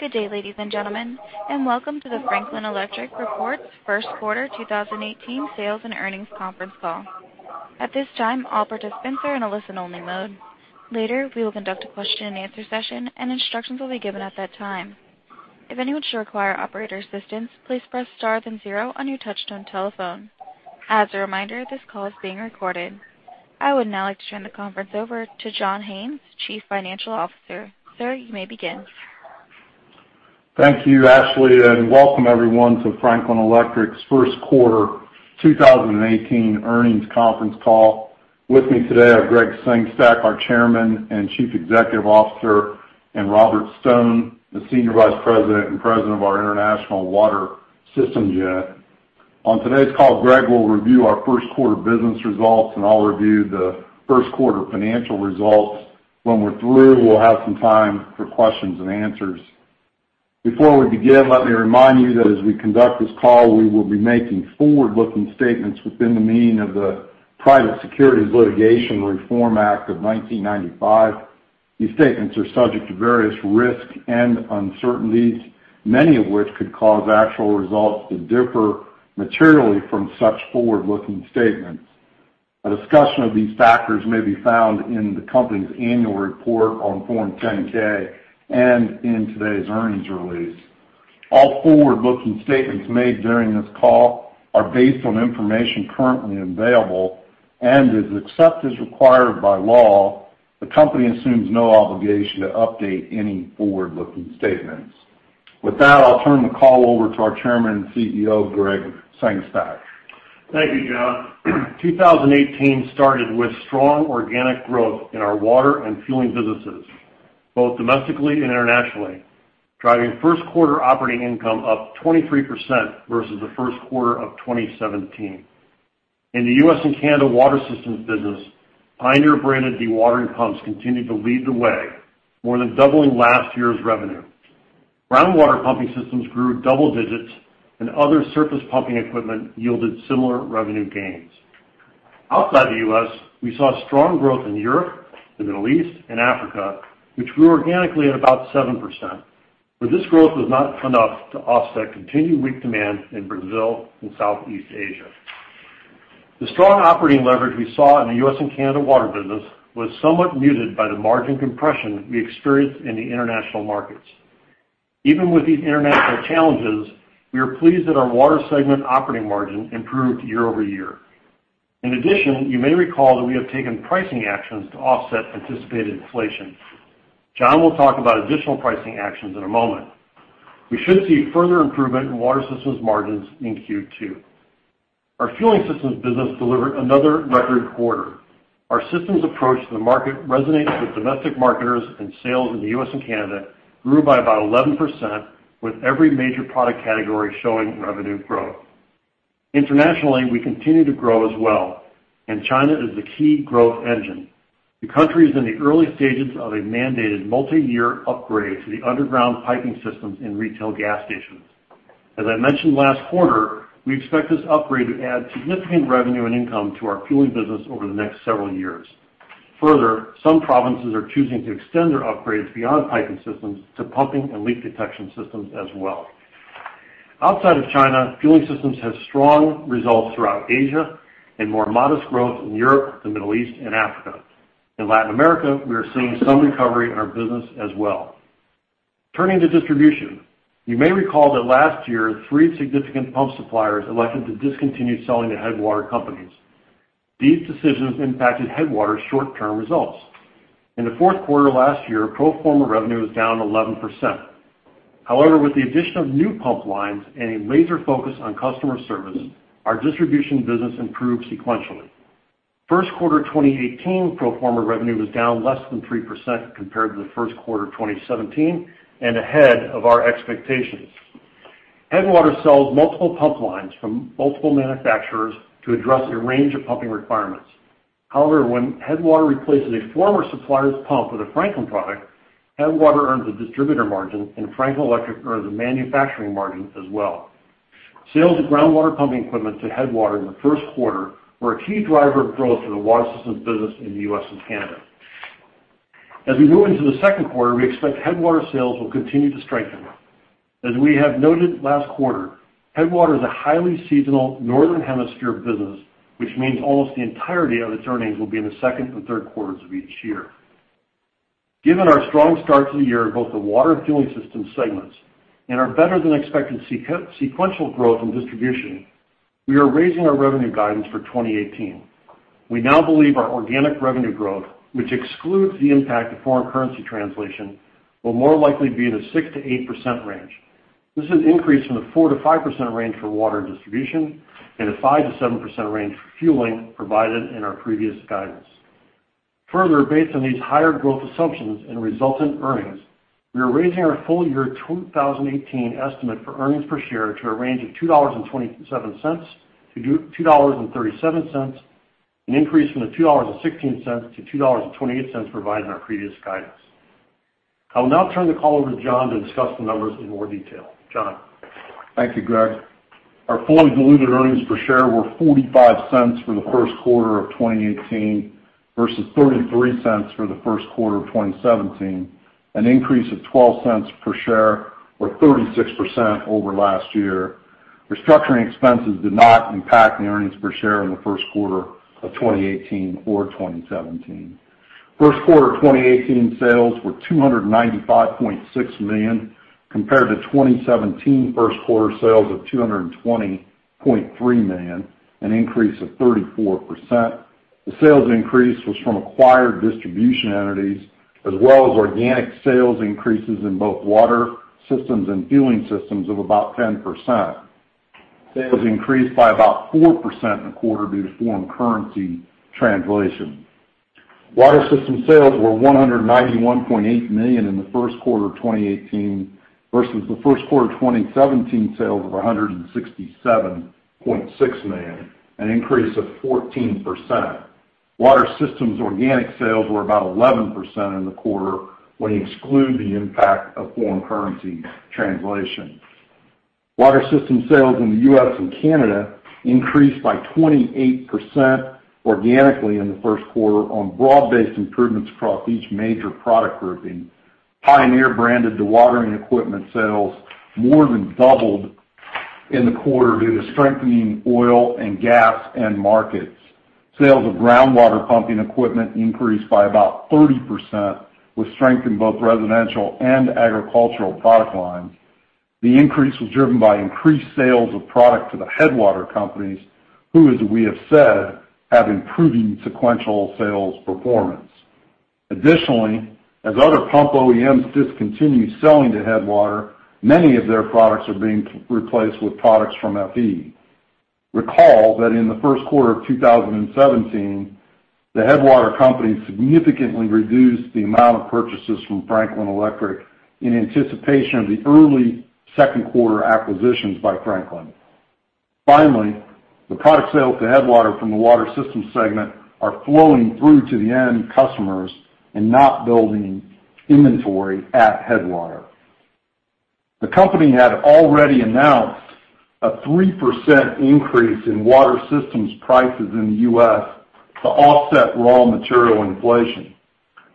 Good day, ladies and gentlemen, and welcome to the Franklin Electric report, first quarter 2018 sales and earnings conference call. At this time, all participants are in a listen-only mode. Later, we will conduct a question-and-answer session, and instructions will be given at that time. If anyone should require operator assistance, please press star then zero on your touchtone telephone. As a reminder, this call is being recorded. I would now like to turn the conference over to John Haines, Chief Financial Officer. Sir, you may begin. Thank you, Ashley, and welcome everyone to Franklin Electric's first quarter 2018 earnings conference call. With me today, I have Gregg Sengstack, our Chairman and Chief Executive Officer, and Robert Stone, the Senior Vice President and President of our International Water Systems unit. On today's call, Gregg will review our first quarter business results, and I'll review the first quarter financial results. When we're through, we'll have some time for questions and answers. Before we begin, let me remind you that as we conduct this call, we will be making forward-looking statements within the meaning of the Private Securities Litigation Reform Act of 1995. These statements are subject to various risks and uncertainties, many of which could cause actual results to differ materially from such forward-looking statements. A discussion of these factors may be found in the company's annual report on Form 10-K and in today's earnings release. All forward-looking statements made during this call are based on information currently available, and except as required by law, the company assumes no obligation to update any forward-looking statements. With that, I'll turn the call over to our Chairman and CEO, Gregg Sengstack. Thank you, John. 2018 started with strong organic growth in our water and fueling businesses, both domestically and internationally, driving first quarter operating income up 23% versus the first quarter of 2017. In the U.S. and Canada Water Systems business, Pioneer branded dewatering pumps continued to lead the way, more than doubling last year's revenue. Groundwater pumping systems grew double digits, and other surface pumping equipment yielded similar revenue gains. Outside the U.S., we saw strong growth in Europe, the Middle East, and Africa, which grew organically at about 7%, but this growth was not enough to offset continued weak demand in Brazil and Southeast Asia. The strong operating leverage we saw in the U.S. and Canada water business was somewhat muted by the margin compression we experienced in the international markets. Even with these international challenges, we are pleased that our water segment operating margin improved year-over-year. In addition, you may recall that we have taken pricing actions to offset anticipated inflation. John will talk about additional pricing actions in a moment. We should see further improvement in Water Systems margins in Q2. Our Fueling Systems business delivered another record quarter. Our systems approach to the market resonates with domestic marketers, and sales in the U.S. and Canada grew by about 11%, with every major product category showing revenue growth. Internationally, we continue to grow as well, and China is the key growth engine. The country is in the early stages of a mandated multi-year upgrade to the underground piping systems in retail gas stations. As I mentioned last quarter, we expect this upgrade to add significant revenue and income to our fueling business over the next several years. Further, some provinces are choosing to extend their upgrades beyond piping systems to pumping and leak detection systems as well. Outside of China, Fueling Systems had strong results throughout Asia and more modest growth in Europe, the Middle East, and Africa. In Latin America, we are seeing some recovery in our business as well. Turning to distribution, you may recall that last year, three significant pump suppliers elected to discontinue selling to Headwater Companies. These decisions impacted Headwater's short-term results. In the fourth quarter last year, pro forma revenue was down 11%. However, with the addition of new pump lines and a major focus on customer service, our distribution business improved sequentially. First quarter 2018, pro forma revenue was down less than 3% compared to the first quarter of 2017 and ahead of our expectations. Headwater sells multiple pump lines from multiple manufacturers to address a range of pumping requirements. However, when Headwater replaces a former supplier's pump with a Franklin product, Headwater earns a distributor margin, and Franklin Electric earns a manufacturing margin as well. Sales of groundwater pumping equipment to Headwater in the first quarter were a key driver of growth in the Water Systems business in the U.S. and Canada. As we move into the second quarter, we expect Headwater sales will continue to strengthen. As we have noted last quarter, Headwater is a highly seasonal northern hemisphere business, which means almost the entirety of its earnings will be in the second and third quarters of each year. Given our strong start to the year in both the water and Fueling Systems segments and our better-than-expected sequential growth in distribution, we are raising our revenue guidance for 2018. We now believe our organic revenue growth, which excludes the impact of foreign currency translation, will more likely be in the 6%-8% range. This is an increase from the 4%-5% range for water and distribution, and a 5%-7% range for fueling, provided in our previous guidance. Further, based on these higher growth assumptions and resultant earnings, we are raising our full-year 2018 estimate for earnings per share to a range of $2.27-$2.37, an increase from the $2.16-$2.28 provided in our previous guidance. I will now turn the call over to John to discuss the numbers in more detail. John? Thank you, Gregg. Our fully diluted earnings per share were $0.45 for the first quarter of 2018 versus $0.33 for the first quarter of 2017, an increase of $0.12 per share or 36% over last year. Restructuring expenses did not impact the earnings per share in the first quarter of 2018 or 2017. First quarter 2018 sales were $295.6 million, compared to 2017 first quarter sales of $220.3 million, an increase of 34%. The sales increase was from acquired distribution entities, as well as organic sales increases in both Water Systems and Fueling Systems of about 10%. Sales increased by about 4% in the quarter due to foreign currency translation. Water Systems sales were $191.8 million in the first quarter of 2018 versus the first quarter of 2017 sales of $167.6 million, an increase of 14%. Water Systems organic sales were about 11% in the quarter when you exclude the impact of foreign currency translation. Water Systems sales in the U.S. and Canada increased by 28% organically in the first quarter on broad-based improvements across each major product grouping. Pioneer branded dewatering equipment sales more than doubled in the quarter due to strengthening oil and gas end markets. Sales of groundwater pumping equipment increased by about 30%, with strength in both residential and agricultural product lines. The increase was driven by increased sales of product to the Headwater Companies, who, as we have said, have improving sequential sales performance. Additionally, as other pump OEMs discontinue selling to Headwater, many of their products are being replaced with products from FE. Recall that in the first quarter of 2017, the Headwater Companies significantly reduced the amount of purchases from Franklin Electric in anticipation of the early second quarter acquisitions by Franklin. Finally, the product sales to Headwater from the water system segment are flowing through to the end customers and not building inventory at Headwater. The company had already announced a 3% increase in Water Systems prices in the U.S. to offset raw material inflation.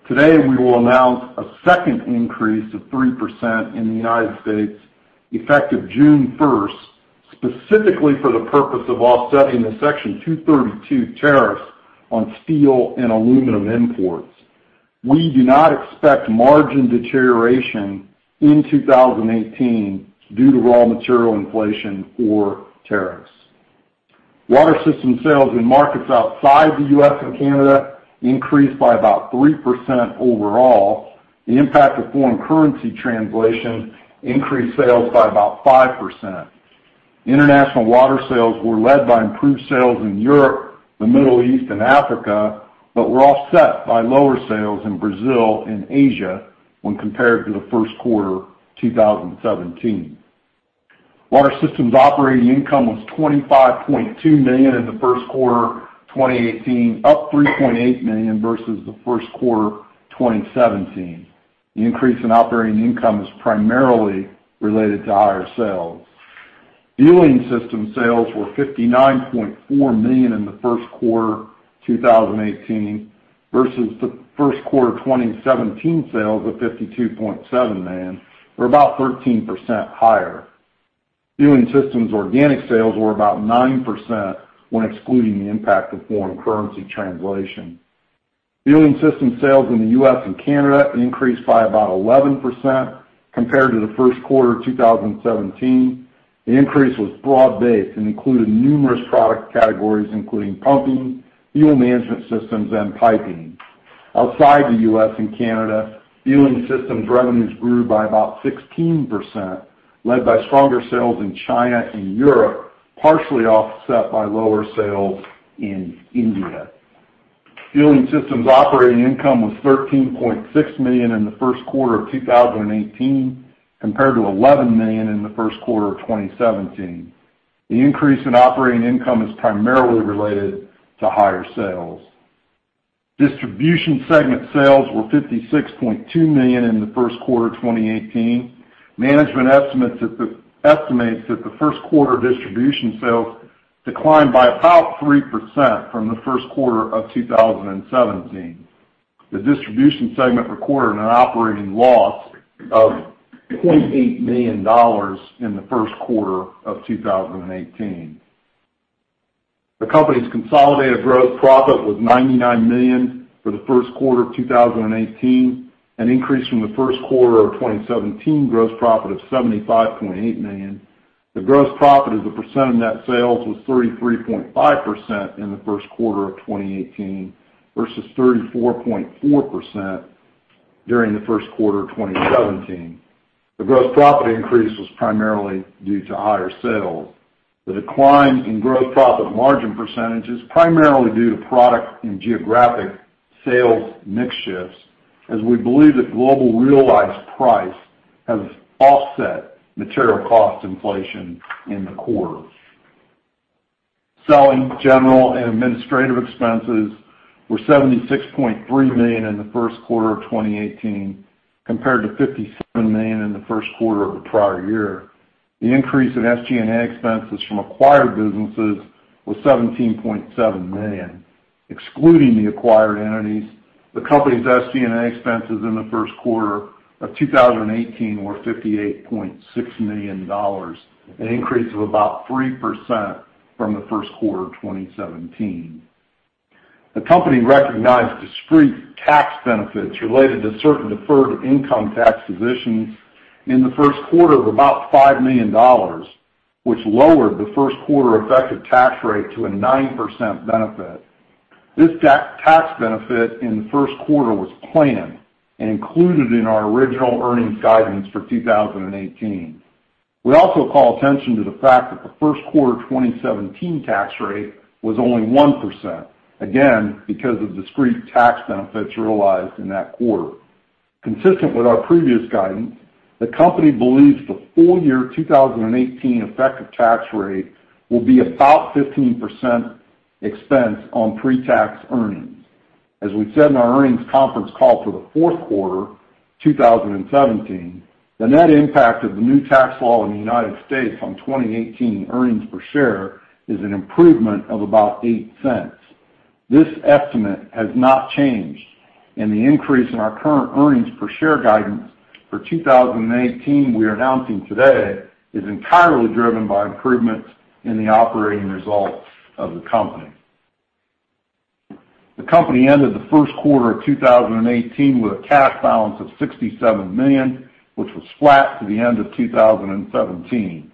Today, we will announce a second increase of 3% in the United States, effective June 1, specifically for the purpose of offsetting the Section 232 tariffs on steel and aluminum imports. We do not expect margin deterioration in 2018 due to raw material inflation or tariffs. Water Systems sales in markets outside the U.S. and Canada increased by about 3% overall. The impact of foreign currency translation increased sales by about 5%. International water sales were led by improved sales in Europe, the Middle East, and Africa, but were offset by lower sales in Brazil and Asia when compared to the first quarter of 2017. Water Systems operating income was $25.2 million in the first quarter of 2018, up $3.8 million versus the first quarter of 2017. The increase in operating income is primarily related to higher sales. Fueling Systems sales were $59.4 million in the first quarter of 2018 versus the first quarter 2017 sales of $52.7 million, or about 13% higher. Fueling Systems organic sales were about 9% when excluding the impact of foreign currency translation. Fueling Systems sales in the U.S. and Canada increased by about 11% compared to the first quarter of 2017. The increase was broad-based and included numerous product categories, including pumping, fuel management systems, and piping. Outside the U.S. and Canada, Fueling Systems revenues grew by about 16%, led by stronger sales in China and Europe, partially offset by lower sales in India. Fueling Systems operating income was $13.6 million in the first quarter of 2018, compared to $11 million in the first quarter of 2017. The increase in operating income is primarily related to higher sales. Distribution segment sales were $56.2 million in the first quarter of 2018. Management estimates that the first quarter distribution sales declined by about 3% from the first quarter of 2017. The distribution segment recorded an operating loss of $0.8 million in the first quarter of 2018. The company's consolidated gross profit was $99 million for the first quarter of 2018, an increase from the first quarter of 2017 gross profit of $75.8 million. The gross profit as a percent of net sales was 33.5% in the first quarter of 2018 versus 34.4% during the first quarter of 2017. The gross profit increase was primarily due to higher sales. The decline in gross profit margin percentage is primarily due to product and geographic sales mix shifts, as we believe that global realized price has offset material cost inflation in the quarter. Selling general and administrative expenses were $76.3 million in the first quarter of 2018, compared to $57 million in the first quarter of the prior year. The increase in SG&A expenses from acquired businesses was $17.7 million. Excluding the acquired entities, the company's SG&A expenses in the first quarter of 2018 were $58.6 million, an increase of about 3% from the first quarter of 2017. The company recognized discrete tax benefits related to certain deferred income tax positions in the first quarter of about $5 million, which lowered the first quarter effective tax rate to a 9% benefit. This tax benefit in the first quarter was planned and included in our original earnings guidance for 2018. We also call attention to the fact that the first quarter 2017 tax rate was only 1%, again, because of discrete tax benefits realized in that quarter. Consistent with our previous guidance, the company believes the full year 2018 effective tax rate will be about 15% expense on pre-tax earnings. As we said in our earnings conference call for the fourth quarter 2017, the net impact of the new tax law in the United States on 2018 earnings per share is an improvement of about $0.08. This estimate has not changed, and the increase in our current earnings per share guidance for 2018 we are announcing today, is entirely driven by improvements in the operating results of the company. The company ended the first quarter of 2018 with a cash balance of $67 million, which was flat to the end of 2017.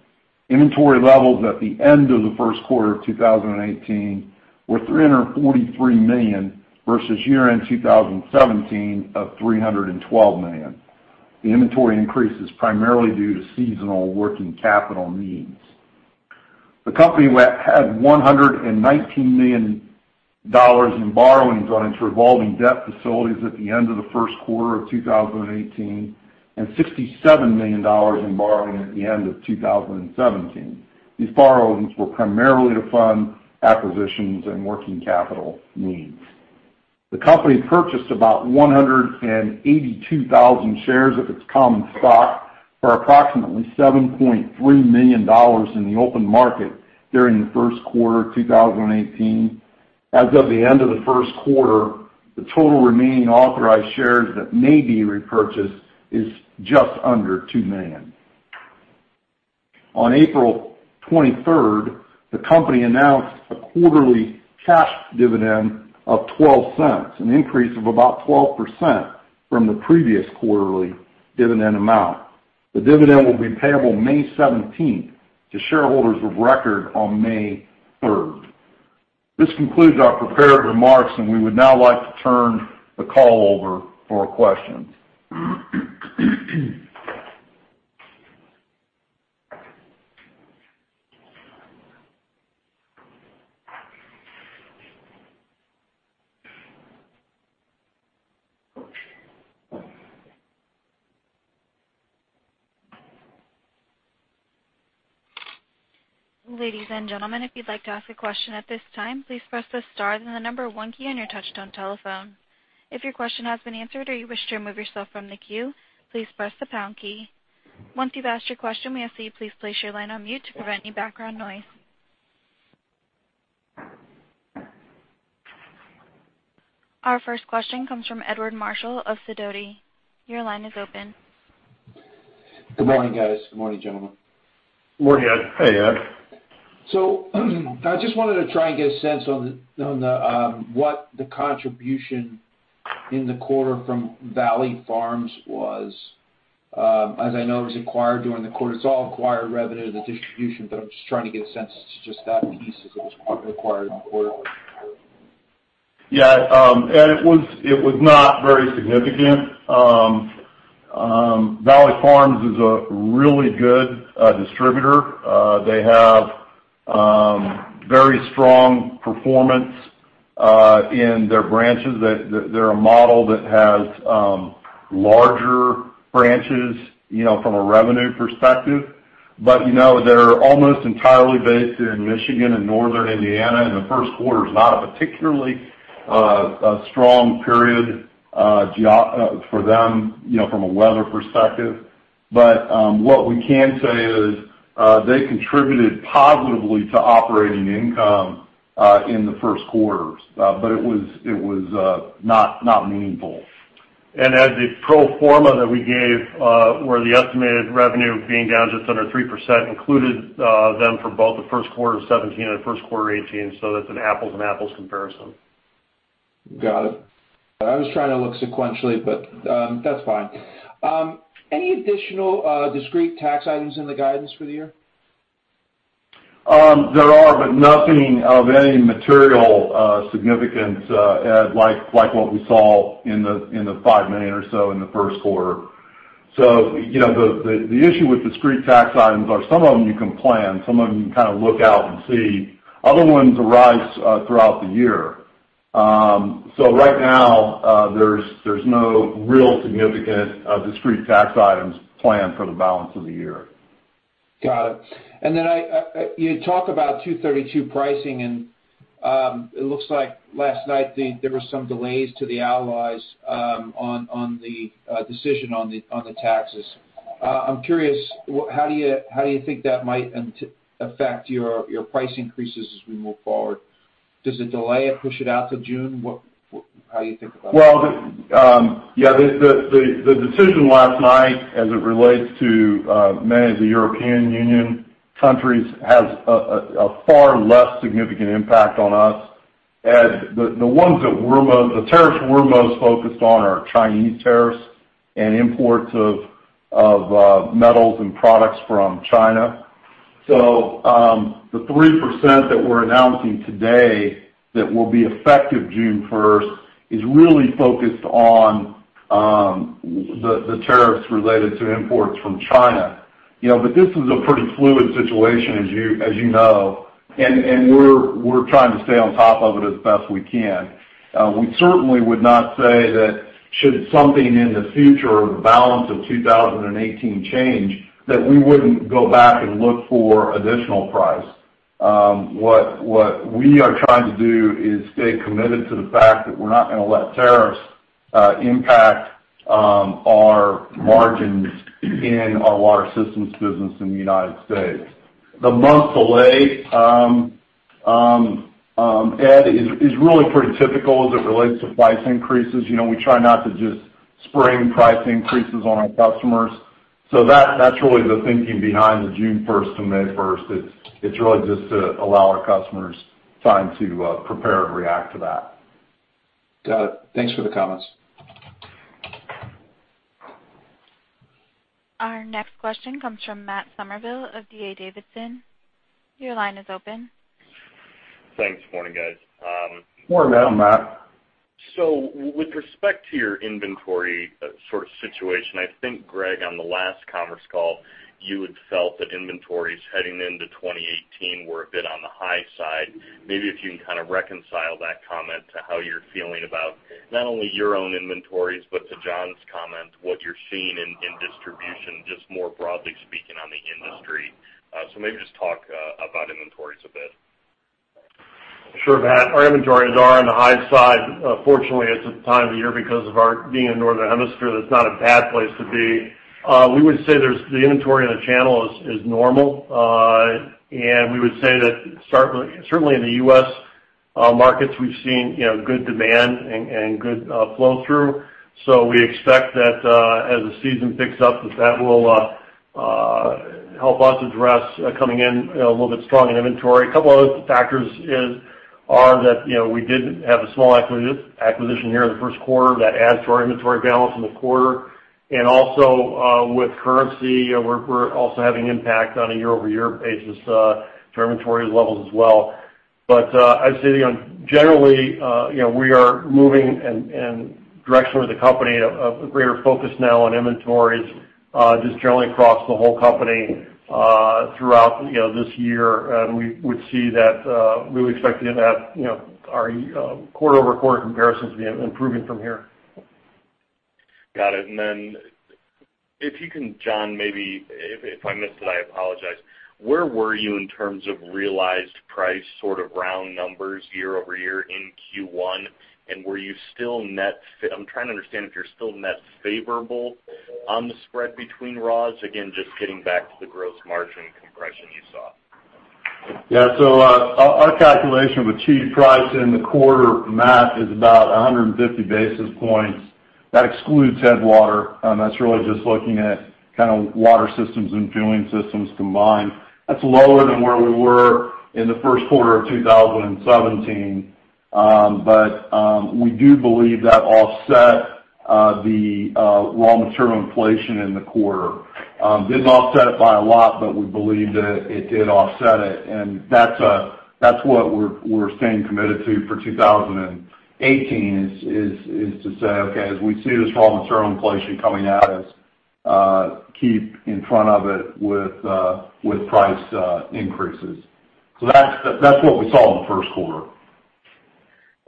Inventory levels at the end of the first quarter of 2018 were $343 million, versus year-end 2017 of $312 million. The inventory increase is primarily due to seasonal working capital needs. The company had $119 million in borrowings on its revolving debt facilities at the end of the first quarter of 2018, and $67 million in borrowing at the end of 2017. These borrowings were primarily to fund acquisitions and working capital needs. The company purchased about 182,000 shares of its common stock for approximately $7.3 million in the open market during the first quarter of 2018. As of the end of the first quarter, the total remaining authorized shares that may be repurchased is just under 2 million. On April 23rd, the company announced a quarterly cash dividend of $0.12, an increase of about 12% from the previous quarterly dividend amount. The dividend will be payable May 17th, to shareholders of record on May 3rd. This concludes our prepared remarks, and we would now like to turn the call over for questions. Ladies and gentlemen, if you'd like to ask a question at this time, please press the star then the number one key on your touchtone telephone. If your question has been answered or you wish to remove yourself from the queue, please press the pound key. Once you've asked your question, may I ask that you please place your line on mute to prevent any background noise? Our first question comes from Edward Marshall of Sidoti. Your line is open. Good morning, guys. Good morning, gentlemen. Good morning, Ed. Hey, Ed. So I just wanted to try and get a sense on what the contribution in the quarter from Valley Farms was. As I know, it was acquired during the quarter. It's all acquired revenue, the distribution, but I'm just trying to get a sense as to just that piece of it, was part of the acquired quarter. Yeah, and it was not very significant. Valley Farms is a really good distributor. They have very strong performance in their branches. They're a model that has larger branches, you know, from a revenue perspective. But, you know, they're almost entirely based in Michigan and northern Indiana, and the first quarter is not a particularly strong period for them, you know, from a weather perspective. But, what we can say is, they contributed positively to operating income in the first quarter. But it was not meaningful. And as the pro forma that we gave, where the estimated revenue being down just under 3%, included them for both the first quarter of 2017 and the first quarter of 2018, so that's an apples and apples comparison. Got it. I was trying to look sequentially, but that's fine. Any additional discrete tax items in the guidance for the year? There are, but nothing of any material significance, Ed, like what we saw in the $5 million or so in the first quarter. So, you know, the issue with discrete tax items are some of them you can plan, some of them you can kind of look out and see. Other ones arise throughout the year. So right now, there's no real significant discrete tax items planned for the balance of the year. Got it. And then you talk about 232 pricing, and it looks like last night there were some delays to the allies on the decision on the taxes. I'm curious, how do you think that might affect your price increases as we move forward? Does it delay it, push it out to June? What, how do you think about that? Well, yeah, the decision last night, as it relates to many of the European Union countries, has a far less significant impact on us. As the tariffs we're most focused on are Chinese tariffs and imports of metals and products from China. So, the 3% that we're announcing today, that will be effective June 1st, is really focused on the tariffs related to imports from China. You know, but this is a pretty fluid situation, as you know, and we're trying to stay on top of it as best we can. We certainly would not say that should something in the future, or the balance of 2018 change, that we wouldn't go back and look for additional price. What we are trying to do is stay committed to the fact that we're not gonna let tariffs impact our margins in our Water Systems business in the United States. The month delay, Ed, is really pretty typical as it relates to price increases. You know, we try not to just spring price increases on our customers. So that's really the thinking behind the June 1st to May 1st. It's really just to allow our customers time to prepare and react to that. Got it. Thanks for the comments. Our next question comes from Matt Summerville of D.A. Davidson. Your line is open. Thanks. Morning, guys. Morning, Matt. So with respect to your inventory sort of situation, I think, Gregg, on the last conference call, you had felt that inventories heading into 2018 were a bit on the high side. Maybe if you can kind of reconcile that comment to how you're feeling about not only your own inventories, but to John's comment, what you're seeing in distribution, just more broadly speaking on the industry. So maybe just talk about inventories a bit. Sure, Matt. Our inventories are on the high side. Fortunately, it's a time of the year because of our being in the Northern Hemisphere, that's not a bad place to be. We would say there's the inventory in the channel is normal. And we would say that certainly in the U.S. markets, we've seen, you know, good demand and good flow through. So we expect that as the season picks up, that will help us address coming in, you know, a little bit strong in inventory. A couple other factors are that, you know, we did have a small acquisition here in the first quarter that adds to our inventory balance in the quarter. And also, with currency, we're also having impact on a year-over-year basis to our inventory levels as well. But, I'd say, again, generally, you know, we are moving in direction with the company, a greater focus now on inventories, just generally across the whole company, throughout, you know, this year. And we would see that, we would expect to get that, you know, our quarter-over-quarter comparisons being improving from here. Got it. Then if you can, John, maybe if I missed it, I apologize. Where were you in terms of realized price, sort of round numbers year-over-year in Q1? And were you still net. I'm trying to understand if you're still net favorable on the spread between raws. Again, just getting back to the gross margin compression you saw. Yeah. So, our calculation of achieved price in the quarter, Matt, is about 150 basis points. That excludes Headwater. That's really just looking at kind of Water Systems and Fueling Systems combined. That's lower than where we were in the first quarter of 2017. But we do believe that offset the raw material inflation in the quarter. Didn't offset it by a lot, but we believe that it did offset it. And that's what we're staying committed to for 2018, is to say, okay, as we see this raw material inflation coming at us, keep in front of it with price increases. So that's what we saw in the first quarter.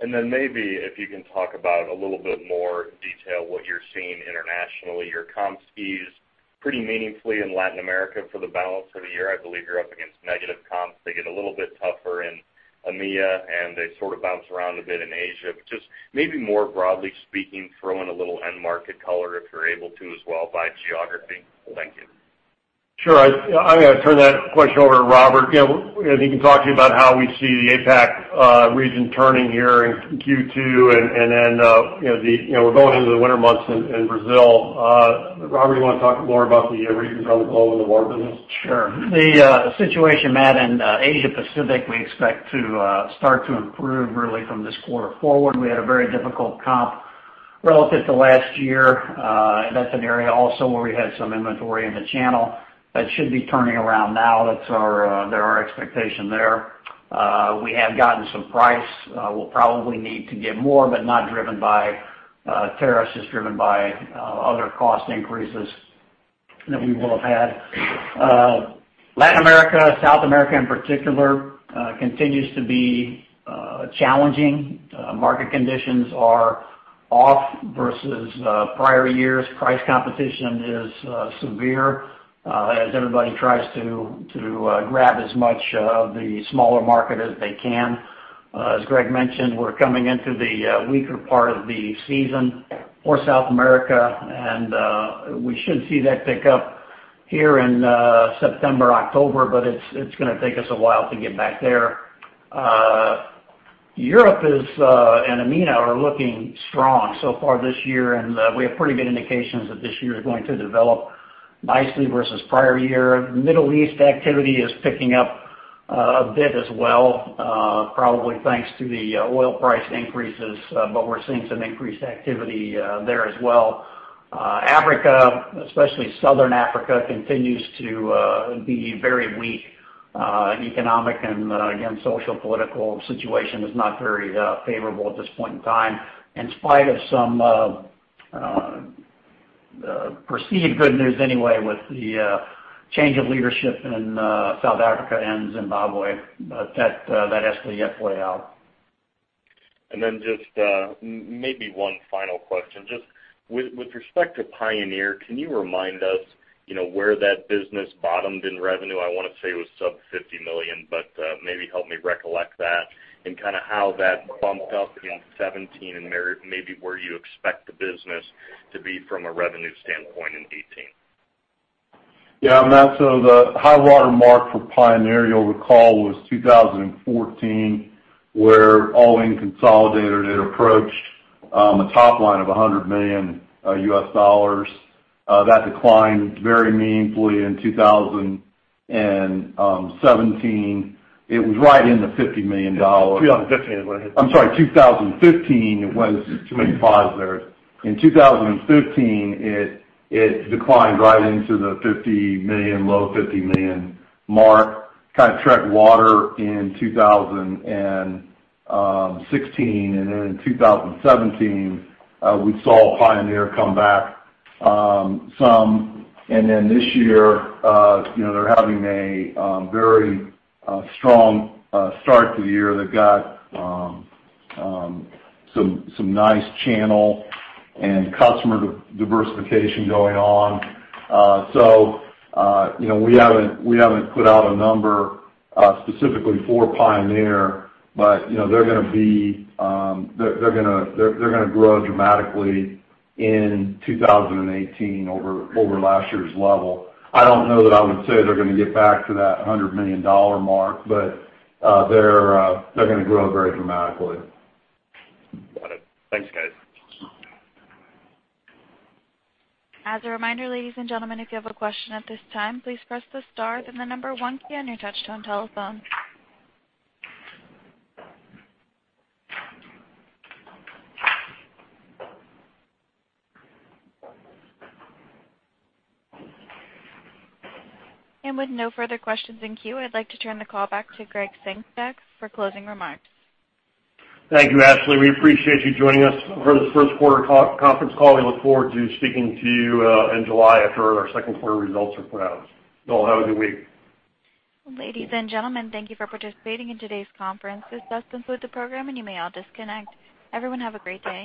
And then maybe if you can talk about a little bit more detail, what you're seeing internationally, your comps skews pretty meaningfully in Latin America for the balance of the year. I believe you're up against negative comps. They get a little bit tougher in EMEA, and they sort of bounce around a bit in Asia. But just maybe more broadly speaking, throw in a little end market color if you're able to as well, by geography. Thank you. Sure. I'm gonna turn that question over to Robert. You know, he can talk to you about how we see the APAC region turning here in Q2, and then, you know, we're going into the winter months in Brazil. Robert, you wanna talk more about the regions around the globe in the water business? Sure. The situation, Matt, in Asia Pacific, we expect to start to improve really from this quarter forward. We had a very difficult comp relative to last year. That's an area also where we had some inventory in the channel. That should be turning around now. That's our expectation there. We have gotten some price. We'll probably need to get more, but not driven by tariffs, just driven by other cost increases than we will have had. Latin America, South America in particular, continues to be challenging. Market conditions are off versus prior years. Price competition is severe as everybody tries to grab as much of the smaller market as they can. As Gregg mentioned, we're coming into the weaker part of the season for South America, and we should see that pick up here in September, October, but it's gonna take us a while to get back there. Europe and EMEA are looking strong so far this year, and we have pretty good indications that this year is going to develop nicely versus prior year. Middle East activity is picking up a bit as well, probably thanks to the oil price increases, but we're seeing some increased activity there as well. Africa, especially Southern Africa, continues to be very weak. Economic and, again, social, political situation is not very favorable at this point in time, in spite of some perceived good news anyway with the change of leadership in South Africa and Zimbabwe. But that has to yet play out. And then just maybe one final question: Just with respect to Pioneer, can you remind us, you know, where that business bottomed in revenue? I wanna say it was sub-$50 million, but maybe help me recollect that, and kind of how that bumped up in 2017, and where maybe where you expect the business to be from a revenue standpoint in 2018. Yeah, Matt, so the high water mark for Pioneer, you'll recall, was 2014, where all in consolidated, it approached, a top line of $100 million. That declined very meaningfully in 2017. It was right in the $50 million- 2015. I'm sorry, 2015, it was- Too many fives there. In 2015, it declined right into the $50 million, low $50 million mark. Kind of tread water in 2016, and then in 2017, we saw Pioneer come back some. And then this year, you know, they're having a very strong start to the year. They've got some nice channel and customer diversification going on. So, you know, we haven't put out a number specifically for Pioneer, but, you know, they're gonna be... They're gonna grow dramatically in 2018 over last year's level. I don't know that I would say they're gonna get back to that $100 million mark, but they're gonna grow very dramatically. Got it. Thanks, guys. As a reminder, ladies and gentlemen, if you have a question at this time, please press the star then the number one key on your touch-tone telephone. With no further questions in queue, I'd like to turn the call back to Gregg Sengstack for closing remarks. Thank you, Ashley. We appreciate you joining us for this first quarter conference call. We look forward to speaking to you in July after our second quarter results are put out. Y'all have a good week. Ladies and gentlemen, thank you for participating in today's conference. This does conclude the program, and you may all disconnect. Everyone, have a great day.